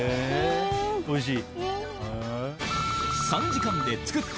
おいしい？